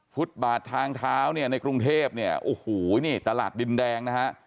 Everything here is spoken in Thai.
ฟุตบาททางเท้าเนี่ยในกรุงเทพเนี่ยโอ้โหนี่ตลาดดินแดงนะฮะ